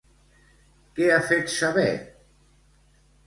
Què ha fet saber?